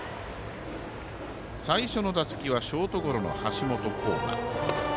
最初の打席はショートゴロの橋本航河。